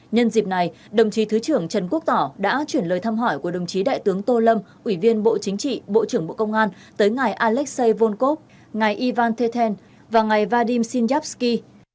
nhân dịp này đồng chí thứ trưởng trần quốc tỏ đã chuyển lời thăm hỏi của đồng chí đại tướng tô lâm ủy viên bộ chính trị bộ trưởng bộ công an tới ngày alexei volkov ngày ivan teten và ngày vadim sinyapsky